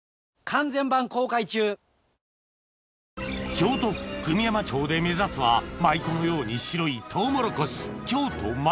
京都府久御山町で目指すは舞妓のように白いトウモロコシ京都舞